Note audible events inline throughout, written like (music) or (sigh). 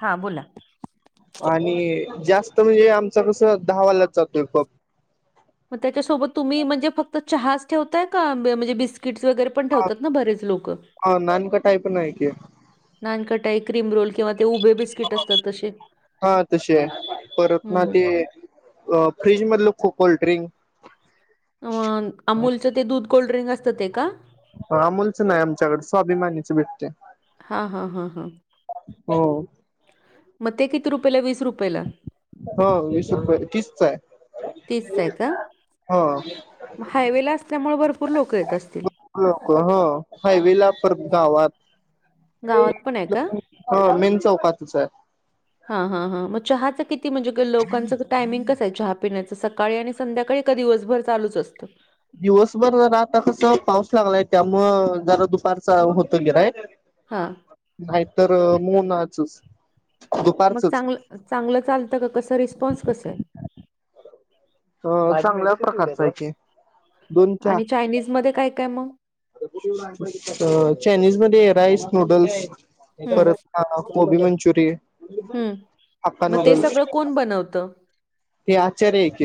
हा बोला. आणि जास्त म्हणजे आमच कसं दहावालाच जातोय कप मग त्याच्यासोबत तुम्ही म्हणजे फक्त चहाच ठेवताय का म्हणजे बिस्किट्स वगैरे. प ठेवतात ना बरेच लोक. हा नानकट आहे पण आहे की नानकटाई क्रीम रोल किंवा ते उभे बिस्किट असतात तसे. हा तसे आहे परत हं, ना हं. ते फ्रीजमधलं ख कोल्ड्रिंक. अ अमूलचं ते दूध कोल्ड्रिंक असतं ते का. अमोलचं नाही आमच्याकडे स्वाभिमानीचे भेटते. हा हा हा हा हो मग ते किती रुपयला वीस रुपययाेला. होा वीस रुपये तीसच आहे. तेीच आहे का म हायवे ला असल्यामुळे भरपूर लोक येत असतील. क ह हायवे ला परत गावात गावात पण आहे का. हो मेन चौकातच आहे. हा हा हां मग चहाच किती म्हणजे लोकांचं टायमिंग कसं आहे चहा पिण्याचं सकाळी आणि संध्याकाळी. दिवसभर चालूच असत. दिवसभर ज आता कस पाऊस लागलाय त्यामुळ जरा दुपारच होत गेलाय. हां. नाहीतर मूनचच. मग चांगलं चांगलं चालतं का कसं रिस्पॉन्स कसं आहे. अ चांगल्या प्रकारच आहेे. आणि चायनीज मध्ये काय काय मग. चायनीज म राईस नूडल्स. हं, परत गबी मंचुरियन. हम् हाक्का मग ते नूडल्स सगळं कोण बनवतं. हे आचारक.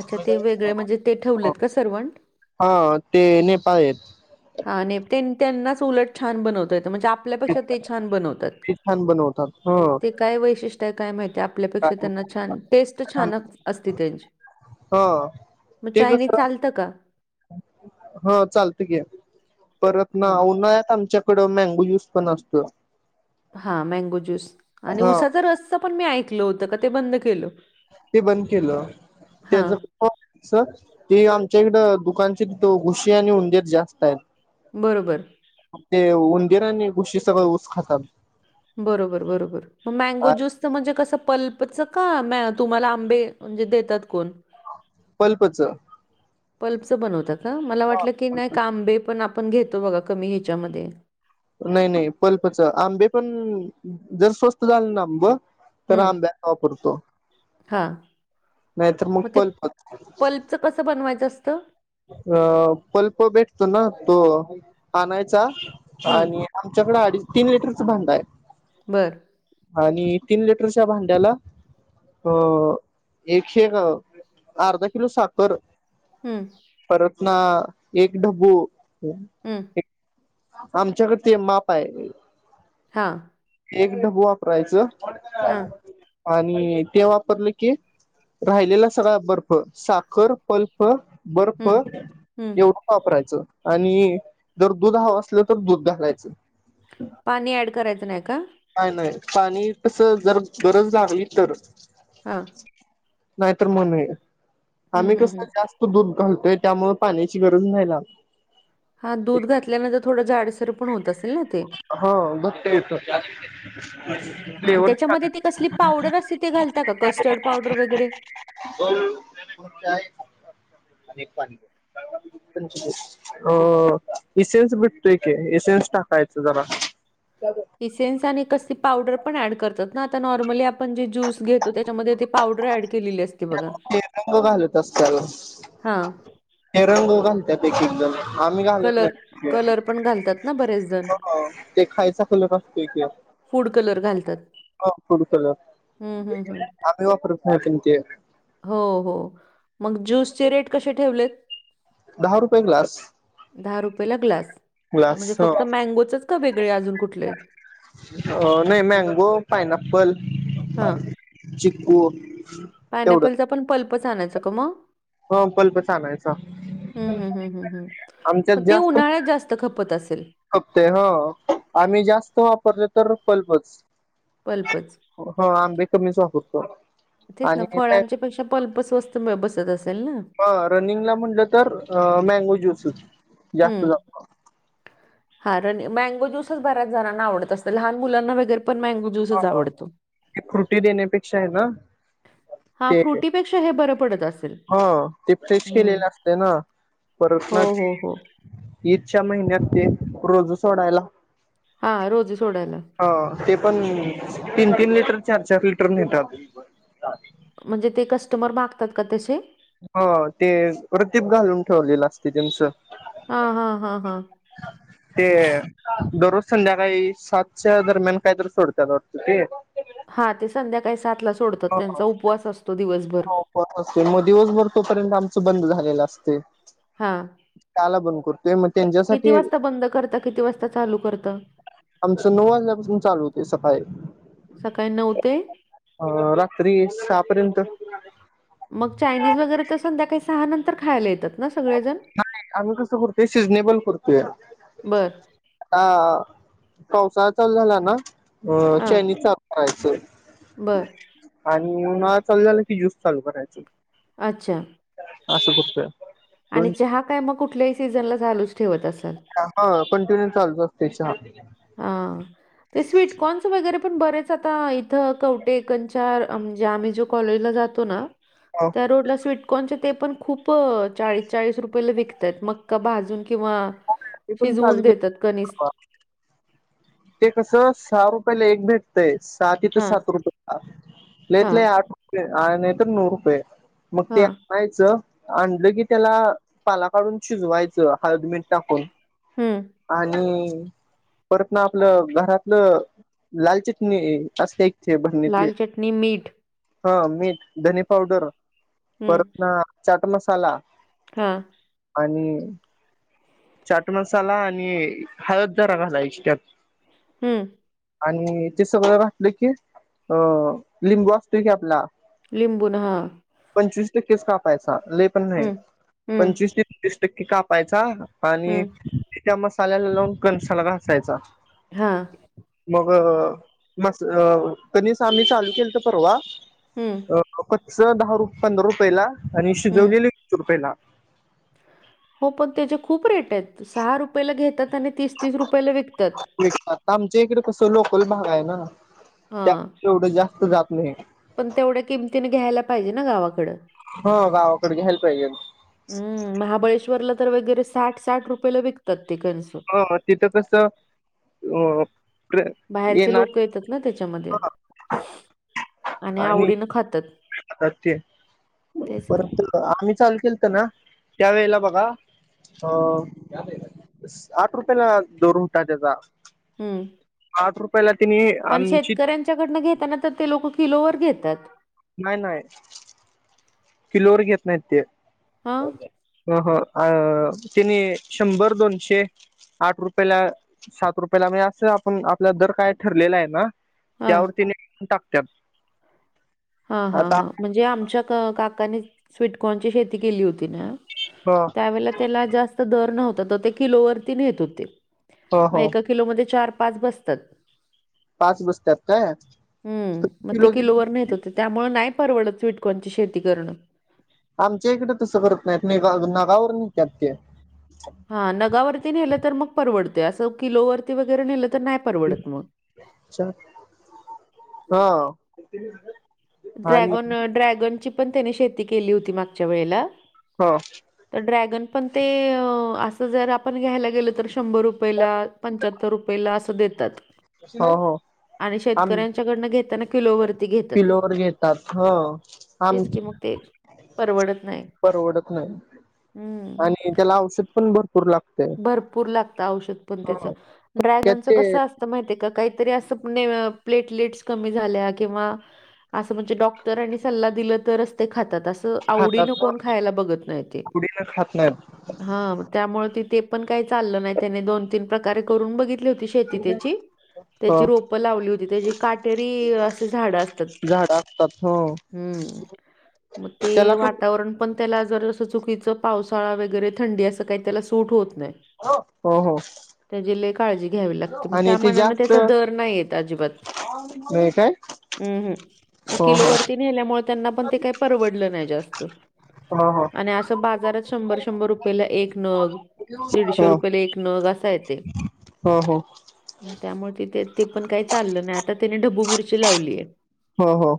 अच्छा ते वेगळे म्हणजे ते ठेवलेत का सर्व्हंट हा ते नेपाळ आहेत. हा त्यांनाच उलट छान बनवत येत म्हणजे आपल्यापेक्षा ते छान बनवतात ते छान बनवतात ह ते काय वैशिष्ट काय माहिती आपल्यापेक्षा त्यांना छान टेस्ट छान असते त्यांची हा मग ते यनी कसं चालतं का. हा चालत घी परत ना हां, उन्हाळत आमच्या तकड मँगो युज पण असतो. हा मॅगो ज्यूस आणि हा उसाचा रस्च पण मी ऐकलं होतं का ते बंद केलं. ते बंद केलं त्याच हां, स ते आमच्या इकडं दुकानची तथ घुशी आणि उंदीर जास्त आहेत. बरोबर. मग ते उंदीर आणि गुशी सगळं ऊस खातात. बरोबर बरोबर. मग मॅगो ज्यूस तर म्हणजे कसं पल्पच का तुम्हाला आंबे म्हणजे देतात कोण. पल्पचं. पल्पचं बनवत का मला वाटलं की नाही कांबे पण आपण घेतो बघा कमी ह्याच्यामध्ये. नाही नाही पल्पच आंबे पण जर स्वस्त झाले ना आंबं तर हं, आंब्या वापरतो हां. नाहीतर मग पलप. तचं कसं बनवायचं असतं. अ पल्प भेटतो ना तो आणायचा हं, आणि. आमच्याकडे अडीच तीन लिटरचं भांडं आहे. बरं. आणि तीन लिटरच्या भांड्याला. अ एकशे एक अर्धा किलो साखर. हम्म. परत ना एक ढब्बू. हम. आमच्याकडे ते माप आहे. हां. एक ढबू वापरायचं. हां. आणि ते वापरलं की राहिलेला सगळा बर्फ साखर पल फ बर्फ हं, हं. एवढं वापरायचं आणि जर दूध हवं. असलं तर दूध घालायचं. पाणी ऍड करायचं नाही का. नाही नाही पाणी तस जर गरज लागली तर. हां. नाहीतर म्हणून ये हं, आम्ही हं, कस हं. जास्त. तो दूध घालतोय त्यामुळे पाण्याची गरज नाही लागत. हा दूध घातल्यानंतर थोडं जाडसर पण होत असेल ना ते. हो गट्ट येते. आणि त्याच्यामध्ये ते कसली पावडर असते ते घालताात का कस्टर्ड पावडर वगैरे. अनेक पाणी. अ इसेनस भेटतोय की इके इसेनस टाक टायच जरा. इसेन्स आणि कसली पावडर पण ऍड करतात ना आता नॉर्मली आपण जे ज्यूस घेतो त्याच्यामध्ये ते. पावडर ऍड केलेली असते. बघा. ते रंग घालत असतला हां. ते रंग घालत्या एकेक जण. आम्ही घालत कलर नाही कलर पण घालतात ना बरेच जण. ते खायचं खुलंक असतोय की. फूड कलर घालतात वापरू सगळं हम्म हम हम. आम्ही वापरत नाही पण ते. हो हो मग ज्यूसचे रेट कसे ठेवलेत. दहा रुपये ग्लास. दहा रुपयेला ग्लास म्हणजे ग्लास फक्त मँगोचच का वेगळे अजून कुठले. अ नाही मँगो पायनॅप्पल. हां चिक्कू. तेवढं पायनॅपलचा पण पल्पच आणायचं का मग. ह पल्प च आणायचा. हम हम हम हम पण ते उन्हाळ्यात जास्त खपत असेल. हप्ते ह आम्ही जास्त वापरले तर पल्पच. पलपच. ह आंबे कमीच वापरतो. तेच ना आणि फळांच्या पेक्षा पल्प स्वस्त बसत असेल ना. ह रनिंगला म्हणल तर मँगो ज्यूसच जास्त हम्म जातो. हा मँगो ज्यूसच बऱच जणांना आवडत असतं लहान मुलांना वगैर पण मँगो. ज्यूसच आवडतो ते फ्रुटी देण्यापेक्षा आहे ना हा फ्रुटी. पेक्षा हे बरं पडत अस. हा ते फ्रेश केलेले असते ना हो, परतना हो, हो. ईदच्या महिन्यात ते रोज सोडायला हां रोजे सोडायला ह ते पण तीन तीन लिटर चार चार लिटर नेतात म्हणजे ते कस्टमर मागतात का तसे हो ते प्रतीप घालून ठेवलेलं असते त्यांचं हा हा हा हा ते अ अ दररोज संध्याकाळी सातच्या दरम्यान कायतरी सोडत्यात वाटत ते हा ते संध्याकाळी सात ला सोडतात त्यांचा उपवास असतो दिवसभर पण असते मग दिवसभर तोपर्यंत आमचं बंद झालेलं असते हा काला बनकुर ते म त्यांज किती वाजता बंद करता किती वाजता चालू करत. आमचं नऊ वाजल्यापासून चालू होतय सकाळी. सकाळी नऊ ते अ रात्री सहापर्यंत मग चायनीज वगैरे तर संध्याकाळी सहा नंतर खायला येतात ना सगळेजण नाही आम्ही कसं करतोय सिजनेबल कुरतोय बरं. आ पावसाळा चालू झाला ना ह हां, च्यायनिज करायचं बरं. आणि न उन्हाळा चालू झालं की ज्यूस चालू करायच अच्छा अस असं खुपतयऽ आणि चहा काय मग, कुठल्याही सीझनला चालूच ठेवत असाल. हा,, कंटिन्यूली चालुच असतेय चहा. आं, ते स्वीटकॉर्न्स वगैरे पण बरेच आता, इथं कवटेऐकंद चार म्हणजे आम्ही जोऽ कॉलेज ला जातो ना, त्या रोडला स्विटकॉरनऽ कॉनचे ते पण खूप,, चाळीस, चाळीस रुपयेला विकताएत,, मक्का भाजून किंवाऽ ते पण चालू कीऽ ते कसं,, सहा रुपयाला एक भेटऽ तय,, सात इ तर हां, सात रुपये लेय ते हां, लयआठ रुपये आणि नाही तर नऊ रुपये. मग ते हां. आणायचं,, आणलं की त्याला,, पाला काढून शिजवायचं,, हळद, मिंठऽ टाकून. हम्म, आणि,, परत नं आपलं,, घरातली लाल चटणी असत्या ऽ हे बरणीतली, लाल चटणी, मीठ. हा, मीठ, धने पावडर, हं. परत नऽ चाट मसाला. हां, आणिऽ चाट मसाला आणि,,, हळद जरा घा लायची त्यात. हम्म, आणि ते सगळं घाटलं की,, अ,, लिंबू असतोय की आपला. लिंबुून हां,, पंचवीस टक्केच कापायचा,, लय पण नाही,, हं. हं. पंचवीस ते तीस टक्के चं कापायचा. आणि हं. ती त्या मसाल्याला लावून,, कणसाला घासायचा. हां, मग मसरं, कनीस आम्ही चालू केल त परवाऽ हम्म, कच्च दहा रु पंधरा रुपयेला,, आणि हं. शिजवलेले वीस रुपयेला. हो, पण त्याचे खूप रेट आहेत. सहा रुपयेला घेतात आणि तीस-तीस रुपयेला विकतात. आमच्या इकडे कसं लोकल भाग आहे ना, हां. त्यात एवढं जास्त जात नाहीत. पण तेवढ्या किमतीने घ्यायला पाहिजे ना, गावाकडं. हा गावाकडं, घ्यायला पायजेल. हम्.. महाबळेश्वरला तर वगैरे साठ-साठ रुपयेला विकतात ते कनस. हो,, म तिथं कस,, अ बाहेरचे येणारऽ (unintelligible) लोक येतात ना त्याच्यामध्ये. आणि,, आवडीनं खातात अं,, ते, तेच की परतऽ (unintelligible) आम्ही चालू केलत ना, त्यावेेळेला बघा, अ... आठ रुपयेला दर हुता त्येचा. हम्म. आठ रुपयाला तिने, आमची- आमच्याकडन घेताना तर ते लोकं किलोवर घेतात. नाही, नाही. किलोवर घेत नाहीत ते. हा हं, हं, अ.. तिने शंभर, दोनशे- आठ रुपयाला, सात रुपयाला, म्हणजे असं आपण, आपला दर काय ठरलेला आहे ना- हा त्यावर तेनी, टाकत्यात (unintelligible) हा, हा, हां, म्हणजे आमच्या काकानी स्वीटकॉर्नची शेती केली होती ना- हा. त्यावेळेला त्याला जास्त दर नव्हता तर, ते किलोवरती नेत होते. हो मग हो एका किलो मधे चार, पाच बसतात. पाच बसतात काय हम्म.. मग ते किलो किलोवर न्हेत हो- त्यामुळ नाही परवडत स्वीटकॉर्नची शेती करणं. आमच्या इकडें तसं करत नाहीत, म नगावर नाही त्यात ते. (unintelligible) हा, नगावरती नेलं तर मग परवडते, असं किलोवरती वगैरे नेलं तर नाही परवडत मग. च् हा (unintelligible) ड्रॅगन, ड्रॅगन ची पण त्याने शेती केली होती, मागच्या वेळेला- हा. तर ड्रॅगन पण ते, असं जर आपण घ्यायला गेल तर- शंभर रुपयेला, पंच्याहत्तर रुपयेला असं देतात- हो हो आणि आम शेतकऱ्यांच्याकडनं घेताना किलोवरती घेत्यात. त ह (unintelligible) तेच की मग, ते परवडत नाही. परवडत नाही हं. आणि त्याला औषध पण भरपूर लागतय. भरपूर लागत औषध पण त्याच, हो त्यात ड्रॅगनच ते कस अस- माहितय का, काहीतरी असं प्लेटलेटस कमी झाल्या किंवा- असं म्हणजे डॉक्टरांनी सल्ला दिलं तरच ते खातात असं- आवडीने खातात ना कोण खायला बघत नाही ते. आवडीनं खात नाहीत. हा, त्यामुळे ते पण काही चाललं नाही त्याने दोन तीन प्रकारे करून बघितली होती- शेती त्याची- हो त्याची रोपं लावली होती, त्याची काटेरी असे झाड असतात. झाड असतात हो हम्म. मग ते त्याला पण वातावरण- पण, त्याला जर असं चुकीच पावसाळा वगैरे थंडी असं काही त्याला सूट होत नाही. हो, हो. त्येजी लय काळजी घ्यावी लागते, मग आणि त्या ते मानान जास्त त्याचा दर नाही येत अजिबात. नाही काय हं, हं, हो किलोवरती हो नेल्यामुळे त्यांना पण ते काही परवडलं नाही जास्त. हो हो. आणि असं बाजारात शंभर शंभर रुपयेला एक नग, दीडशे रुपयेला एक नग, असाय. हो, हो. त्यामुळे त ते पण काही चाललं नाही, आता त्यानी ढबू मिरची लावली आहे. हो हो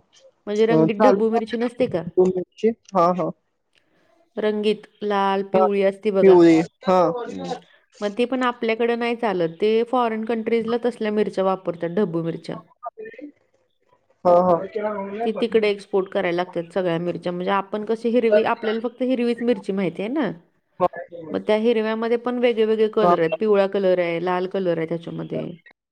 चालू मिरची नसते का हा हा. रंगीत लाल पिवळी असती बघा. तीथ ह मग तेी पण आपल्याकडे नाही चालत ते फॉरेन कंट्रीजला तसल्या मिरच्या वापर मि त. कोट करायला लागतात सगळ्या मिरच्या म्हणजे आपण कशी हिरवी आपल्याला फक्त हिरवीत मिरची माहितीय ना मग ह. त्या हिरव्यामध्ये पण वेगळेवेगळे कलर आहेत पिवळा कलर आहे लाल कलर आहे त्याच्यामध्ये